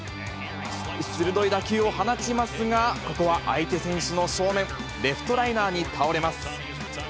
鋭い打球を放ちますが、ここは相手選手の正面、レフトライナーに倒れます。